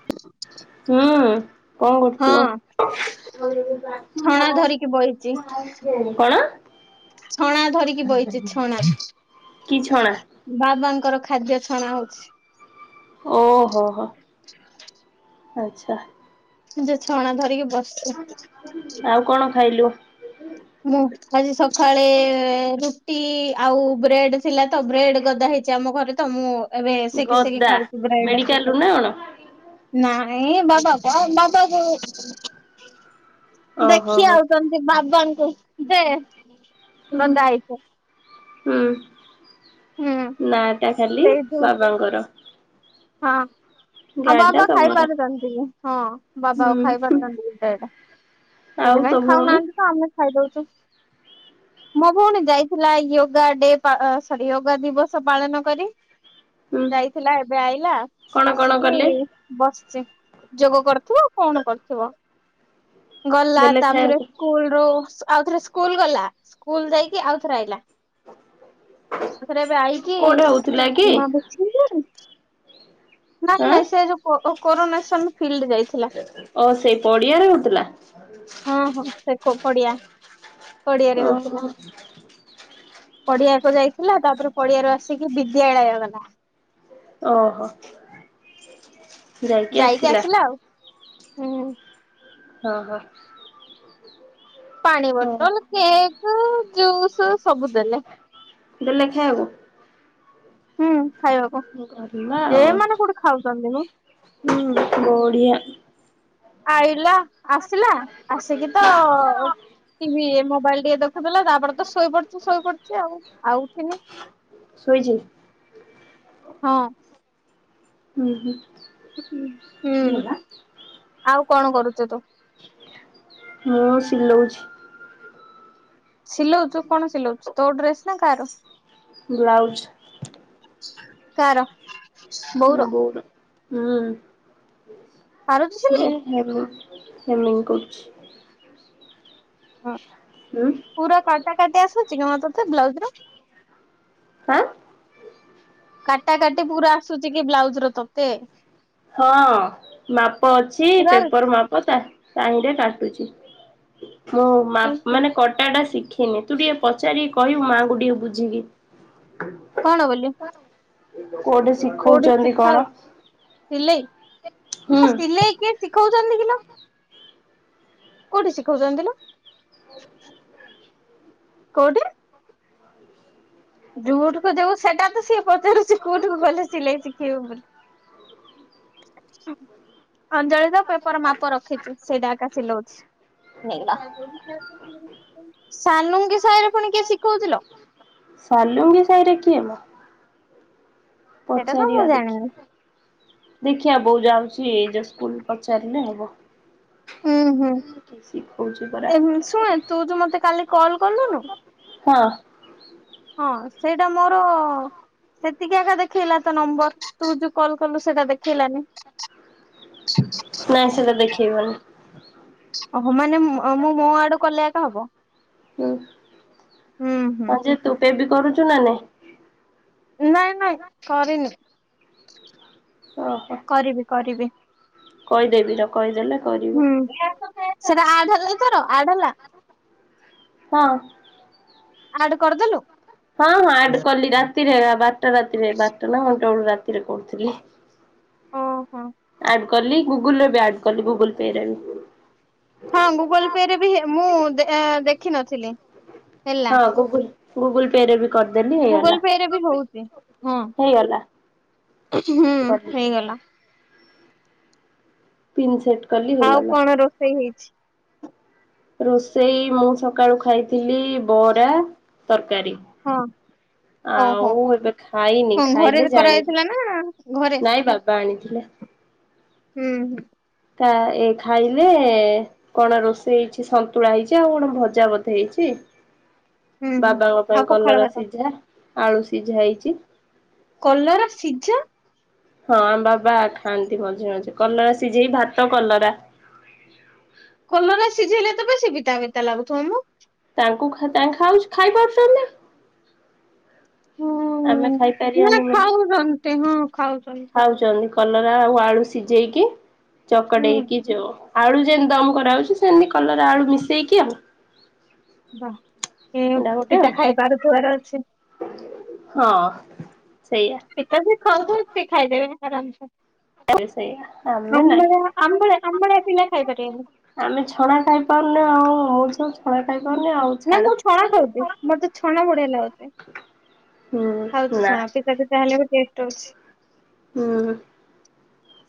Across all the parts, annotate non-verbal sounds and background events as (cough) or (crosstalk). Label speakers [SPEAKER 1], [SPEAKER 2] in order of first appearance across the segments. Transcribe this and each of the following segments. [SPEAKER 1] ହ (inaudible)
[SPEAKER 2] ହୁଁ କଣ କରୁଚ?
[SPEAKER 1] ଛଣା ଧରିକି ବଇଚି
[SPEAKER 2] କଣ?
[SPEAKER 1] ଛଣା ଧରିକି ବଇଚିଛଣା।
[SPEAKER 2] କି ଛଣା
[SPEAKER 1] ବାବାଙ୍କର ଖାଦ୍ୟ ଛଣା ହୋଉଚି।
[SPEAKER 2] ଓହୋ ହୋ ଆଚ୍ଛା
[SPEAKER 1] ନିଯେ ଛଣା ଧରିକି ବସିଛନ୍ତି।
[SPEAKER 2] ଆଉ କଣ ଖାଇଲୁ?
[SPEAKER 1] ମୁଁ ଆଜି ସକାଳେ ରୁଟି ଆଉ ବ୍ରେଡ ଥିଲା ତ ବ୍ରେଡ ଗଦା ହେଇ। ଅଛିଆମ ଘରେ ତ ମୁଁ ଏବେ ସେକି ସେକି
[SPEAKER 2] ଗଦା
[SPEAKER 1] ଖାଉଚି ବ୍ରେଡେ।
[SPEAKER 2] ମେଡିକାଲରୁ ନା କଣ?
[SPEAKER 1] ନାଇଁ ବାବା କ ବାବା ଗୋ।
[SPEAKER 2] ଓହୋ
[SPEAKER 1] ଦେଖି
[SPEAKER 2] ହୋ
[SPEAKER 1] ଆଉଚନ୍ତି ବାବାଙ୍କୁ ଯେ
[SPEAKER 2] ଉଁ ହୁଁ
[SPEAKER 1] ଗଦା ହେଇଛି
[SPEAKER 2] ଉଁ।
[SPEAKER 1] ହୁଁ
[SPEAKER 2] ନାଟା ଖାଲି
[SPEAKER 1] ସେଇଠୁ
[SPEAKER 2] ବାବାଙ୍କର।
[SPEAKER 1] ହଁ। ଆଉ
[SPEAKER 2] ଗାଡି ଟା
[SPEAKER 1] ବାବା ଖାଇ
[SPEAKER 2] ତମର
[SPEAKER 1] ପାରୁଥାନ୍ତି ହଁ ବାବା ଆଉ ଖାଇ
[SPEAKER 2] ହୁଁ
[SPEAKER 1] ପାରୁଥାନ୍ତି ବ୍ରେଡେ।
[SPEAKER 2] ଆଉ ତୋ
[SPEAKER 1] ସେଥିପାଇଁ
[SPEAKER 2] ଭଉଣୀ
[SPEAKER 1] ଖାଉନାହାନ୍ତିତ ଆମେ ଖାଇଦଉଚୁ। ମୋ ଭଉଣୀ ଯାଇଥିଲା ୟୋଗାଡେ ପା ସରି ୟୋଗା ଦିବସ ପାଳନ କରି।
[SPEAKER 2] ହୁଁ
[SPEAKER 1] ଯାଇଥିଲା ଏବେ ଆଇଲା।
[SPEAKER 2] କଣ କଣ
[SPEAKER 1] ଆସିକି
[SPEAKER 2] କଲେ?
[SPEAKER 1] ବସିଚି। ଯୋଗ କରୁଥିବ ଆଉ କଣ କରୁଥିବ? ଗଲା
[SPEAKER 2] ଦେଲେ
[SPEAKER 1] ତାପରେ
[SPEAKER 2] ଖାଇବାକୁ
[SPEAKER 1] ସ୍କୁଲରୁ ଆଉ ଥରେ ସ୍କୁଲ ଗଲା ସ୍କୁଲ ଯାଇକି ଆଉଥରେ ଆଇଲା। ଆଉଥରେ ଏବେ ଆଇକି
[SPEAKER 2] କୋଉଠି ହଉଥିଲା କି?
[SPEAKER 1] ଏ ମା ମିଛିଲାଇ (unintelligible) ନା
[SPEAKER 2] ଆଁ
[SPEAKER 1] ନାଇଁ ସେ ଯୋଉ କୋଉ କୋରୋନସନ ଫିଲ୍ଡ ଯାଇଥିଲା।
[SPEAKER 2] ଅ ସେଇ ପଡ଼ିଆରେ ହୋଉଥିଲା? ସାଡି (unintelligible)
[SPEAKER 1] ହଁ ହଁ ସେ କ କଡିଆ କଡିଆରେ ହଉଥିଲା।
[SPEAKER 2] ଓହୋ
[SPEAKER 1] ପଡିଆକୁ ଯାଇଥିଲା ତାପରେ ପଡିଆରୁ ଆସିକି ବିଦ୍ୟାଳୟ ଗଲା।
[SPEAKER 2] ଓହୋ।
[SPEAKER 1] ଯାଇକି ଆସିଲା ଆଉ। ହୁଁ।
[SPEAKER 2] ହଁ ହଁ।
[SPEAKER 1] ପାଣି
[SPEAKER 2] ହଁ
[SPEAKER 1] ବଟଲ କେକ ଜୁସ୍ ସବୁ ଦେଲେ।
[SPEAKER 2] ଦେଲେ ଖାଇବ?
[SPEAKER 1] ହୁଁ ଖାଇବାକୁ
[SPEAKER 2] କରିବା
[SPEAKER 1] ଯେମାନେ କୋଉଠି ଖାଉଚନ୍ତି ମ? ହୁଁ
[SPEAKER 2] ଓଡିଆ
[SPEAKER 1] ଆଇଲା ଆସିଲା ଆସିକି ତ ଟିଭି ମୋବାଇଲ ଟିକେ ଦେଖୁଥିଲା ତାପରେ ତ ଶୋଇ ପଡିଚି ଶୋଇ ପଡିଚି ଆଉ ଆଉ ଉଠିନି।
[SPEAKER 2] ସୋଇଚି?
[SPEAKER 1] ହଁ।
[SPEAKER 2] ହୁଁ ହୁଁ।
[SPEAKER 1] ଉଁ ହୁଁ ଆଉ କଣ କରୁଚ ତ?
[SPEAKER 2] ମୁଁହ ସିଲୋଉଛି।
[SPEAKER 1] ସିଲୋଉଛୁ କଣ ସିଲୋଉଛୁ ତୋ ଡ୍ରେସ ନା କାଆର?
[SPEAKER 2] Blouse
[SPEAKER 1] car?
[SPEAKER 2] ମୋ
[SPEAKER 1] ବୋଉର
[SPEAKER 2] ବୋଉ ର
[SPEAKER 1] ପାରୁଛୁ ସିଲେଇ?
[SPEAKER 2] (unintelligible) (unintelligible) କରଛି।
[SPEAKER 1] ହଁ।
[SPEAKER 2] ନା।
[SPEAKER 1] ପୁରା କାଟା କାଟି ଆସୁଛି କି ହଁ ତୋତେ ବ୍ଲାଉଜ୍ ରେ?
[SPEAKER 2] ହଁ।
[SPEAKER 1] କାଟା କାଟି ପୁରା ଆସୁଛି କି ବ୍ଲାଉଜ୍ ର ତୋତେ?
[SPEAKER 2] ହଁ ମାପ ଅଛି
[SPEAKER 1] ପୁରା
[SPEAKER 2] ପେପର୍ ମାପ ତାହି ତାହିଁରେ କାଟୁଛି। ମୁଁ ମା-ମାନେ କଟା ଟା ଶିଖି (unintelligible) ତୁ ଟିକେ ପଚାରିକି କହିବୁ ମାଙ୍କୁ ଟିକେ ବୁଝିକି।
[SPEAKER 1] କଣ ବୋଲି?
[SPEAKER 2] କୋଉଠି ଶି
[SPEAKER 1] କୋଉଠି ଶିଖାଅ ସିଲେଇ
[SPEAKER 2] ହୁଁ
[SPEAKER 1] ନା ସିଲେଇ କି ଶିଖଉଛନ୍ତି କିିଲ କୋଉଠି ଶିଖଉଛନ୍ତି ଲ? କୋଉଠି? ଯୁଠିକୁୁ ଯାଉ ସେଟା ତ ସିଏ ପଚାରୁଚି କୋଉଠିକୁ ଗଲେ ସିଲେଇ ଶିଖେଇବେ ବୋଲି। ଅଞ୍ଜଳି ତ ପେପର୍ ମାପ ରଖିଛୁ ସେଇଟା ଏକା ସିଲଉଛି। ମିଳିଲା, ସାନୁଙ୍କି ସାଇରେ ପୁଣି କିଏ ଶିଖଉଛି ଲ?
[SPEAKER 2] ସାଲୁଙ୍ଗି ସାଇରେ କିଏ ମୋ?
[SPEAKER 1] ସେଇଟା ତ ମୁଁ
[SPEAKER 2] ପଚାରିବା
[SPEAKER 1] ଜାଣିନି
[SPEAKER 2] ଦେଖିଆ। ଦେଖିଆ ବୋଉ ଯାଉଛି ଏଇ ଯୋ ସ୍କୁଲ୍ ପଚାରିଲେ ହବ।
[SPEAKER 1] ଉଁ, ହୁଁ
[SPEAKER 2] କି ଶିଖଉଛି ପରା।
[SPEAKER 1] ଏମ୍ ଶୁଣୁ ତୁ ଯୋ ମୋତେ କାଲି କଲ୍ କଲୁନୁ?
[SPEAKER 2] ହଁ।
[SPEAKER 1] ହଁ ସେଇଟା ମୋର ସେତିକି ଆକା ଦେଖେଇଲା ତ ନମ୍ବର୍ ତୁ ଯୋଉ କଲ୍ କଲୁ ସେଟା ଦେଖେଇଲାନି।
[SPEAKER 2] ନା ସେଟା ଦେଖେଇବନି।
[SPEAKER 1] ଓହୋ, ମାନେ ଅ, ମୁଁ ମୋ ଆଡୁ କଲେ ଏକା ହବ।
[SPEAKER 2] ହୁଁ
[SPEAKER 1] ହୁଁ ହୁଁ।
[SPEAKER 2] ହଁ ଯେ ତୁ ପେ ବି କରୁଛୁ ନା ନାହି?
[SPEAKER 1] ନାଇଁ ନାଇଁ କରିନି।
[SPEAKER 2] ଓ ହୋ।
[SPEAKER 1] କରିବି କରିବି।
[SPEAKER 2] କହିଦେବି ର କହିଦେଲେ କରି
[SPEAKER 1] ହୁଁ, ସେଟା ଆଡ୍ ହେଲା ତୋର ଆଡ୍ ହେଲା?
[SPEAKER 2] ହଁ।
[SPEAKER 1] ଆଡ୍ କରିଦେଲୁ?
[SPEAKER 2] ହଁ, ହଁ ଆଡ୍ କଲି ରାତିରେ ବାରଟା ରାତିରେ ବାରଟା ନା ଗୋଟେ ବେଳୁ ରାତିରେ କରୁଥିଲି।
[SPEAKER 1] ଅଁ, ହଁ।
[SPEAKER 2] ଆଡ୍ କଲି, ଗୁଗୁଲ୍ ରେ ବି ଆଡ୍ କଲି, ଗୁଗୁଲ୍ ପେ ରେ ବି।
[SPEAKER 1] ହଁ ଗୁଗଲ୍ ପେ ରେ ବି ହେ ମୁଁ ଦେ-ଏ, ଦେଖିନଥିଲି। ହେଲା
[SPEAKER 2] ହଁ ଗୁଗୁଲ୍ ଗୁଗଲ୍ ପେ ରେ ବି। କରିଦେଲି ହେଇଗଲା
[SPEAKER 1] ଗୁଗୁଲ୍ ପେ ରେ ବି ହଉଛି ହଁ
[SPEAKER 2] ହେଇଗଲା।
[SPEAKER 1] ହୁଁ,
[SPEAKER 2] କଲି
[SPEAKER 1] ହେଇଗଲା।
[SPEAKER 2] ପିନ୍ ସେଟ୍ କଲି।
[SPEAKER 1] ଆଉ
[SPEAKER 2] ହେଇଗଲା।
[SPEAKER 1] କଣ ରୋଷେଇ ହେଇଛି?
[SPEAKER 2] ରୋଷେଇ ମୁଁ ସକାଳୁ ଖାଇଥିଲି ବରା ତରକାରୀ।
[SPEAKER 1] ହଁ। ହଉ
[SPEAKER 2] ଆଉ
[SPEAKER 1] ହଉ
[SPEAKER 2] ଏବେ ଖାଇନି
[SPEAKER 1] ହଁ ଘରେ
[SPEAKER 2] ଖାଇଲେ
[SPEAKER 1] ବି
[SPEAKER 2] ଜାଣିବି
[SPEAKER 1] କରାଯାଇଥିଲା ନା ଘରେ
[SPEAKER 2] ନାଇଁ ବାବା ଆଣିଥିଲେ।
[SPEAKER 1] ହୁଁ।
[SPEAKER 2] ତା ଏ ଖାଇଲେ କଣ ରୋଷେଇ ହେଇଛି ସନ୍ତୁଳା ହେଇଛି ଆଉ କଣ ଭଜା ବୋଧେ ହେଇଛି।
[SPEAKER 1] ହୁଁ ହୁଁ।
[SPEAKER 2] ବାବା ଙ୍କ
[SPEAKER 1] ଆଉ
[SPEAKER 2] ପାଇଁ
[SPEAKER 1] ପଖାଳ
[SPEAKER 2] କଲରା
[SPEAKER 1] ଭାତ
[SPEAKER 2] ସିଝା ଆଳୁ ସିଝା ହେଇଛି।
[SPEAKER 1] କଲରା ସିଝା।
[SPEAKER 2] ହଁ, ଆମ ବାବା ଖାଆନ୍ତି ମଝେ ମଝେ କଲରା ସିଝେଇ ଭାତ କଲରା।
[SPEAKER 1] କଲରା ସିଝେଇଲେ ତେବେ ସି ପିତା ପିତା ଲାଗୁଥିବ ମ।
[SPEAKER 2] ତାଙ୍କୁ ଖା ତାଙ୍କ ଖାଇ ଖାଉଛି ଖାଇ ପାରୁଛନ୍ତି?
[SPEAKER 1] ହୁଁ,
[SPEAKER 2] ଆମେ
[SPEAKER 1] ମୁଁ କହିଲି
[SPEAKER 2] ଖାଇପାରିବାନି ବୋଲି।
[SPEAKER 1] ଖାଉଛନ୍ତି ହଁ ଖାଉଛନ୍ତି।
[SPEAKER 2] ଖାଉଛନ୍ତି କଲରା ଆଉ ଆଳୁ ସିଝେଇକି
[SPEAKER 1] ହୁଁ।
[SPEAKER 2] ଚକଟେଇକି ଯଉ ଆଳୁ ଯେମିତି ଦମ କରାହଉଛି ସେମିତି କଲରା ଆଳୁ ମିଶେଇକି ଆଉ।
[SPEAKER 1] ବା ଏ
[SPEAKER 2] ଏଇଟା ଗୋଟେ ଆଉ
[SPEAKER 1] ପିତା ଖାଇପାରୁଥିବାର ଅଛି।
[SPEAKER 2] ହଁ, ସେଇଆ।
[SPEAKER 1] ପିତା ସେ ଖାଉଥିବେ ସେ ଖାଇଦବେ ଆରାମସେ।
[SPEAKER 2] ସେଇଆ ଆମେ ନାଇଁ।
[SPEAKER 1] ଆମଭଳିଆ ଆମଭଳିଆ ଆମଭଳିଆ ପିିଲା ଖାଇ ପାରିବେନି।
[SPEAKER 2] ଆମେ ଛଣା ଖାଇପାରୁନୁ ଆଉ (unintelligible) ଆଉ
[SPEAKER 1] ନା
[SPEAKER 2] ଛାଡ।
[SPEAKER 1] ମୁଁ ଛଣା ଖାଉଚି ମୋତେ ଛଣା ବଢଆ ଲାଗୁଚି।
[SPEAKER 2] ହୁଁ
[SPEAKER 1] ଖାଉଚି
[SPEAKER 2] ନା
[SPEAKER 1] ଛଣା ପିତା ପିତା ହେଲେ ବି ଟେଷ୍ଟ ହଉଛି।
[SPEAKER 2] ହୁଁ,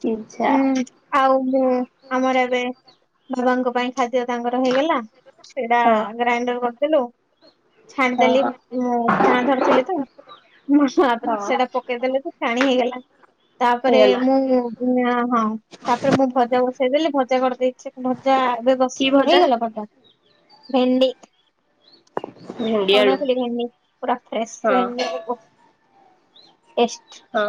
[SPEAKER 2] ସିଝା।
[SPEAKER 1] ହୁଁ ଆଉ ମୁଁ ଆମର ଏବେ ବାବା ଙ୍କ ପାଇଁ ଖାଦ୍ୟ ତାଙ୍କର ହେଇଗଲା ସେଇଟା
[SPEAKER 2] ହଁ।
[SPEAKER 1] ଗ୍ରାଇଣ୍ଡର କରିଦେଲୁ
[SPEAKER 2] ହଁ
[SPEAKER 1] ଛାଣିଦେଲି
[SPEAKER 2] ହଁ
[SPEAKER 1] ମୁଁ ଛାଣା ଧରିଥିଲି ତ (unintelligible)
[SPEAKER 2] ହଁ
[SPEAKER 1] ସେଟା ପକେଇଦେଲେ ତ ଛାଣି ହେଇଗଲା ତାପରେ
[SPEAKER 2] ହେଇଗଲା।
[SPEAKER 1] ମୁଁ (unintelligible) ହଁ ତାପରେ ମୁଁ ଭଜା ବସେଇଦେଲି ଭଜା କରିଦେଇଛି ଭଜା ଏବେ ବସ ହେଇଗଲା ଭଜା ଭେଣ୍ଡି।
[SPEAKER 2] ଭେଣ୍ଡି ଆଳୁ
[SPEAKER 1] କହୁନଥିଲି ଭେଣ୍ଡି ପୁରା
[SPEAKER 2] ହଁ
[SPEAKER 1] ଫ୍ରେଶ (unintelligible) ଟେଷ୍ଟ।
[SPEAKER 2] ହଁ।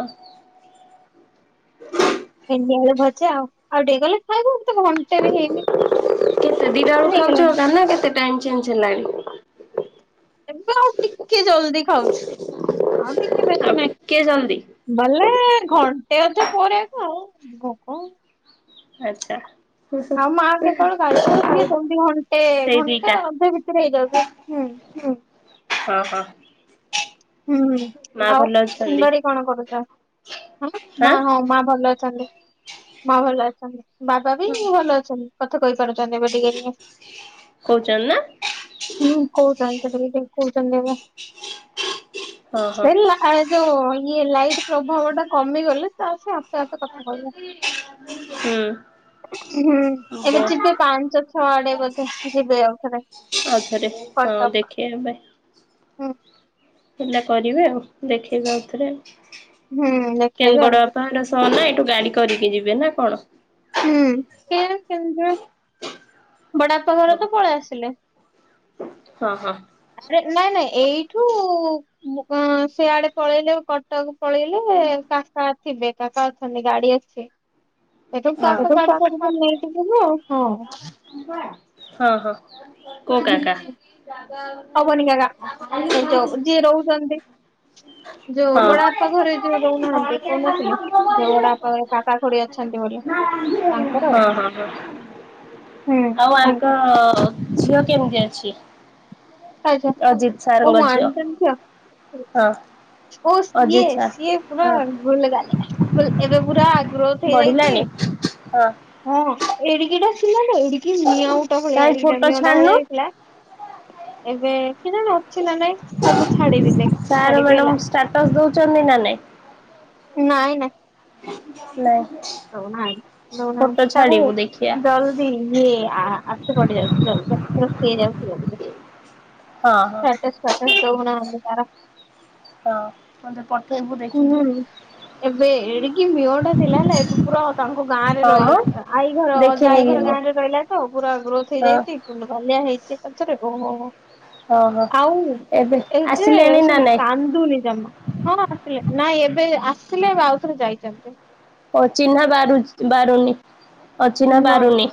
[SPEAKER 2] (unintelligible)
[SPEAKER 1] ଭେଣ୍ଡି ଆଳୁ ଭଜା ଆଉ ଆଉଟିକେ ଗଲେ ଖାଇବୁ ଏନ୍ତି ଘ୍
[SPEAKER 2] କେତେ ଦିଟା ବେଳୁ ଖାଉଛ
[SPEAKER 1] ହେଇଗଲାଣି
[SPEAKER 2] ଜାଣିନ କେତେ ଟାଇମ ଚେଞ୍ଜ ହେଲାଣି।
[SPEAKER 1] ଏବେ ଆଉ ଟିକେ ଜଲଦି ଖାଉଛୁ ଆଉ ଟିକେ
[SPEAKER 2] ଆଉ ଟିକେ ଜଲଦି।
[SPEAKER 1] ଗଲେ ଘଣ୍ଟେ ଅଧେ ପରେ କୁ ଆଉ ଭୋକ ଉ
[SPEAKER 2] ଆଚ୍ଛା।
[SPEAKER 1] ଆଉ ମାଆ କେତେବେଳେ ଗାଳି କଲେ ଟିକେ କେମିତି କଣ ଘଣ୍ଟେ
[SPEAKER 2] ସେଇ
[SPEAKER 1] ଘଣ୍ଟେ
[SPEAKER 2] ଦିଟା
[SPEAKER 1] ଅଧେ ଭିତରେ ହେଇଯାଉଛି। ହୁଁ
[SPEAKER 2] ହଁ ହଁ।
[SPEAKER 1] ହୁଁ, ହୁଁ
[SPEAKER 2] ମା
[SPEAKER 1] ଆଉ
[SPEAKER 2] ଭଲ ଅଛନ୍ତି
[SPEAKER 1] ସୁନ୍ଦରୀ କଣ କରୁଛ? ହଁ ବା ମା ହଁ
[SPEAKER 2] ହାଁ।
[SPEAKER 1] ମା ଭଲ ଅଛନ୍ତି। ମା ଭଲ ଅଛନ୍ତି ବାବା ବି ଭଲ ଅଛନ୍ତି କଥା କହିପାରୁଛନ୍ତି (unintelligible)
[SPEAKER 2] କହୁଛନ୍ତି ନା
[SPEAKER 1] ହୁଁ କହୁଛନ୍ତି ଟିକ ଟିକେ କହୁଛନ୍ତି ଏବେ।
[SPEAKER 2] ହଁ ହଁ
[SPEAKER 1] ସେ ଲା-ଏ ଯୋ ଇଏ ଲାଇଟ୍ ପ୍ରଭାବ ଟା କମିଗଲେ ତାର ସେ ଆପେ ଆପେ କଥା କହିବ।
[SPEAKER 2] ହୁଁ
[SPEAKER 1] ହୁଁ
[SPEAKER 2] ବ
[SPEAKER 1] ଏବେ ଯିବେ ପାଞ୍ଚ ଛଅଆଡେ ବୋଧେ ଯିବେ ଆଉଥରେ।
[SPEAKER 2] ଆଉଥରେ ହଁ
[SPEAKER 1] କଟକ।
[SPEAKER 2] ଦେଖିଆ ଏବେ
[SPEAKER 1] ହୁଁ
[SPEAKER 2] ପିଲା କରିବେ ଆଉ ଦେଖେଇବେ ଆଉଥରେ ଆଉ।
[SPEAKER 1] ହୁଁ
[SPEAKER 2] (inaudible)
[SPEAKER 1] ଦେଖେଇବେ ଆଉ
[SPEAKER 2] (unintelligible) ଶହ ନା ଏଠୁ ଗାଡି କରିକି ଯିବେ ନା କଣ?
[SPEAKER 1] ହୁଁ କେଜାଣି (unintelligible)
[SPEAKER 2] ହଁ
[SPEAKER 1] ବଡାପାଘର ତ ପଳେଇ ଆସିଲେ।
[SPEAKER 2] ହଁ ହଁ।
[SPEAKER 1] ଆରେ ନାଇଁ ନାଇଁ ଏଇଠୁ ମୁଁ କଁ ସେଆଡେ ପଳେଇଲେ କଟକ ପଳେଇଲେ କାକା ଥିବେ କାକା ଅଛନ୍ତି ଗାଡି ଅଛି। ଏଠୋଉ ତାକୁ ଗାଡି
[SPEAKER 2] ହଁ
[SPEAKER 1] ପଠେଇତେକ ନେଇକି ଯିବୁ ଆଉ କଣ।
[SPEAKER 2] ହଁ ହଁ କୋଉ କାକା?
[SPEAKER 1] ଅବନି କାକା ଏ ଯୋଉ ଯିଏ ରହୁସନ୍ତି ଯୋଉ
[SPEAKER 2] ହଁ
[SPEAKER 1] ବଡବାପା ଘରେ ଯୋଉ
[SPEAKER 2] ହଁ
[SPEAKER 1] ରହୁନାହାନ୍ତି କହୁନଥିଲି, ଯୋଉ ବଡବାପା ଘରେ କାକା ଖୁଡି ଅ
[SPEAKER 2] ହଁ ହଁ ହଁ,
[SPEAKER 1] ହୁଁ
[SPEAKER 2] ଆଉ
[SPEAKER 1] ତାଙ୍କେ
[SPEAKER 2] ଆଙ୍କ ଝିଅ କେମତି ଅଛି?
[SPEAKER 1] ଆଚ୍ଛା
[SPEAKER 2] ଅଜିତ ସାର୍
[SPEAKER 1] ଓ ମୁଁ
[SPEAKER 2] ଙ୍କ ଝିଅ
[SPEAKER 1] ଆଣିଥାନ୍ତି ଝିଅ
[SPEAKER 2] ହଁ।
[SPEAKER 1] ଓ ସିଏ
[SPEAKER 2] ଅଜିତ ସାର୍
[SPEAKER 1] ସିଏ ପୁରା
[SPEAKER 2] ହଁ
[SPEAKER 1] ଗୋଲଗାଲିଆ-ଗୁଲ୍ ଏବେ ପୁରା ଗ୍ରୋଥ୍ ହେଇଯାଇଚି
[SPEAKER 2] ବଢିଲାଣି? ହଁ
[SPEAKER 1] ହଁ ଏଡିକିଟା ଥିଲା ଲୋ ଏଡିକି ମିଆଁଉଟା ଭଳିଆ
[SPEAKER 2] କାହିଁ
[SPEAKER 1] ଏଡିକଟା
[SPEAKER 2] ଫଟୋ
[SPEAKER 1] ମିଆଁଉଟା
[SPEAKER 2] ଛାଡୁନୁ
[SPEAKER 1] ଭଳିଆ ହେଇଥିଲା। ଏବେ କେଜାଣି ଅଛି ନା ନାଇଁ ହଁ ମୁଁ ଛାଡିବି ଦେଖ୍ ଛାଡିବି ହେଲା।
[SPEAKER 2] ଷ୍ଟାଟସ୍ ଦଉଚନ୍ତି ନା ନାଇଁ?
[SPEAKER 1] ନାଇଁ ନାଇଁ।
[SPEAKER 2] ନାଇଁ।
[SPEAKER 1] ଦଉନାହାନ୍ତି
[SPEAKER 2] ଫଟୋ
[SPEAKER 1] ଦଉନାହାନ୍ତି ତାକୁ
[SPEAKER 2] ଛାଡିବୁ ଦେଖିବା
[SPEAKER 1] ଡଲ୍ (inaudible)
[SPEAKER 2] ହଁ ହଁ
[SPEAKER 1] ଷ୍ଟାଟସ୍ ଫାଟସ୍ ଦଉନାହାନ୍ତି ତାର।
[SPEAKER 2] ହଁ ମତେ ପଠେଇବୁ
[SPEAKER 1] ହୁଁ
[SPEAKER 2] ଦେଖିକି।
[SPEAKER 1] ଏବେ ଏଡିକି ମିଅଁଟା ଥିଲା ହେଲା ଏବେ ପୁରା ତାଙ୍କ ଗାଁରେ
[SPEAKER 2] ହଁ
[SPEAKER 1] ରହି
[SPEAKER 2] ମ
[SPEAKER 1] ଆଈ ଘର ଅଜା
[SPEAKER 2] ଦେଖିନି
[SPEAKER 1] ଆଈ
[SPEAKER 2] କି
[SPEAKER 1] ଘର
[SPEAKER 2] ମୁଁ
[SPEAKER 1] ଗାଁରେ ରହିଲା ତ ପୁରା ଗ୍ରୋଥ୍
[SPEAKER 2] ହଁ।
[SPEAKER 1] ହେଇଯାଇଚି ଗୁଲୁଗାଲିଆ ହେଇଚି ଏକାଥରେ ଓ ହୋ ହୋ।
[SPEAKER 2] ଓହୋ
[SPEAKER 1] ଆଉ
[SPEAKER 2] ଏବେ
[SPEAKER 1] ଏ ଯେ
[SPEAKER 2] ଆସିଲେଣି ନା
[SPEAKER 1] ଶୁଣ
[SPEAKER 2] ନାଇଁ
[SPEAKER 1] କାନ୍ଦୁନି ଜମା। ହଁ ଆସିଲେ ନାଇଁ ଏବେ ଆସିଲେ ଏବେ ଆଉଥରେ ଯାଇଚନ୍ତି।
[SPEAKER 2] ଓ ଚିହ୍ନା ବାରୁଚ୍-ବାରୁନି। ଅଚିନ୍ହା
[SPEAKER 1] ନାଇଁ
[SPEAKER 2] ବାରୁନି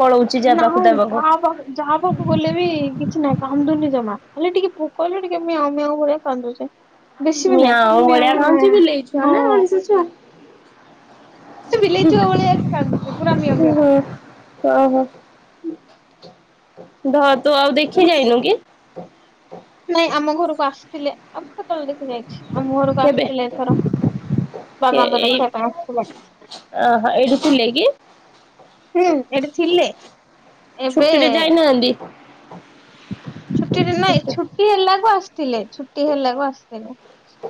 [SPEAKER 2] ପଳଉଚି ଯା ପାଖୁକୁ
[SPEAKER 1] ନାଇଁ
[SPEAKER 2] ତା ପାଖୁକୁ।
[SPEAKER 1] (unintelligible) ଗଲେ ବି କିଛି ନାହିଁ କାନ୍ଦୁନି ଜମା, ଖାଲି ଟିକେ ଭୋକ ହେଲେ ଟିକେ ମିଆଁଉ ମିଆଁଉ ଭଳିଆ କାନ୍ଦୁଚି। ବେଶୀ ବି
[SPEAKER 2] ମିଆଁଉ ଭଳିଆ
[SPEAKER 1] ନାହିଁ।
[SPEAKER 2] ଖାଉଛି ବିଲେଇ ଛୁଆ ନା
[SPEAKER 1] (inaudible)
[SPEAKER 2] ମଣିଷ ଛୁଆ
[SPEAKER 1] ସେ ବିଲେଇ ଛୁଆ ଭଳିଆ ଏକା କାନ୍ଦୁଚି ପୁରା ମିୟଁମିୟ।
[SPEAKER 2] ଓଁ ହୋ ଧ ତୁ ଆଉ ଦେଖି ଯାଇନୁ କି?
[SPEAKER 1] ନାଇଁ ଆମ ଘରୁକୁ ଆସିଥିଲେ ଆଉ କେତେବେଳେ ଦେଖି ଯାଇଚି ଆମ ଘରୁକୁ
[SPEAKER 2] କେବେ
[SPEAKER 1] ଆସିଥିଲେ ଏଥର।
[SPEAKER 2] କେ
[SPEAKER 1] ବାବାଙ୍କୁ
[SPEAKER 2] ଏଇ
[SPEAKER 1] ଦେଖିବା ପାଇଁ ଆସିଥିଲା।
[SPEAKER 2] ଓହୋ ଏଇଠି ଥିଲେ କି
[SPEAKER 1] ହୁଁ ଏଠି ଥିଲେ ଏବେ
[SPEAKER 2] ଛୁଟିରେ (unintelligible)
[SPEAKER 1] ଛୁଟିରେ ନାଇଁ ଛୁଟି ହେଲାକୁ ଆସିଥିଲେ ଛୁଟି ହେଲାକୁ ଆସିଥିଲେ।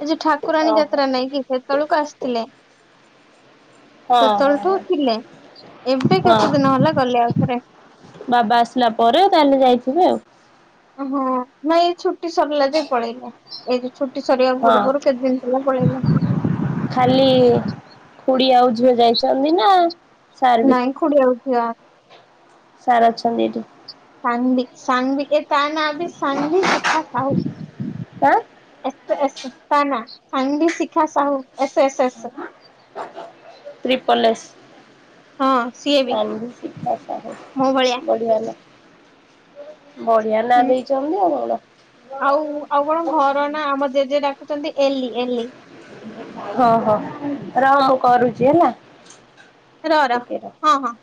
[SPEAKER 1] ଏ ଯୋଉ ଠାକୁରାଣୀ
[SPEAKER 2] ଓହୋ
[SPEAKER 1] ଯାତ୍ରା ନାଇଁ କି ସେତେବେଳକୁ ଆସିଥିଲେ।
[SPEAKER 2] ହଁ ହଁ
[SPEAKER 1] ସେତେବେଳେଠୁ
[SPEAKER 2] ହଁ
[SPEAKER 1] ଥିଲେ ଏବେ
[SPEAKER 2] ହଁ
[SPEAKER 1] କେତେ ଦିନ ହେଲା ଗଲେ ଆଉଥରେ।
[SPEAKER 2] ବାବା ଆସିଲା ପରେ ତାହେଲେ ଯାଇଥିବେ ଆଉ।
[SPEAKER 1] ଓହଁ ନାଇଁ ଏଇ ଛୁଟି ସରିଲା ଯୋଇ ପଳେଇଲେ। ଏଇ ଛୁଟି ସରିବା ପୂର୍ବରୁ
[SPEAKER 2] ହଁ
[SPEAKER 1] କେତେ ଦିନ ଥିଲା ପଳେଇଲେ।
[SPEAKER 2] ଖାଲି ଖୁଡି ଆଉ ଝିଅ ଯାଇଛନ୍ତି ନା ସାର୍ ବି
[SPEAKER 1] ନାଇଁ ଖୁଡି ଆାଉ ଝିଅ।
[SPEAKER 2] ସାର୍ ଅଛନ୍ତି ଏଇଠି।
[SPEAKER 1] ସାନଭି ସାନଭି ଏ ତା ନାଆ ବିି ସାନଭି ଶିଖା ସାହୁ।
[SPEAKER 2] ଆଁ
[SPEAKER 1] ଏସ୍ ଏସ୍ ତା ନାଆ Sanvi Shikha Sahu S S S.
[SPEAKER 2] Triple S.
[SPEAKER 1] ହଁ ସିଏ ବି
[SPEAKER 2] ସାନଭି ଶିଖା ସାହୁ
[SPEAKER 1] ମୋ ଭଳିଆ
[SPEAKER 2] ବଢିଆ ନା। ବଢିଆ ନା
[SPEAKER 1] ହୁଁ
[SPEAKER 2] ଦେଇଛନ୍ତି ଆଉ କଣ।
[SPEAKER 1] ଆଉ ଆଉ କଣ ଘର ନା ଆମ ଜେଜେ ଡାକୁଛନ୍ତି ଏଲି ଏଲି।
[SPEAKER 2] ହଁ ହଁ (unintelligible) କରୁଛି ହେଲା। ଟିକେ
[SPEAKER 1] (unintelligible)
[SPEAKER 2] ରହ।
[SPEAKER 1] ହଁ ହଁ।